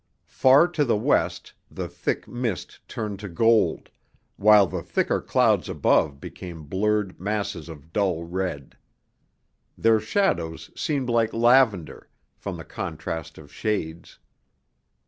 Far to the west, the thick mist turned to gold, while the thicker clouds above became blurred masses of dull red. Their shadows seemed like lavender, from the contrast of shades.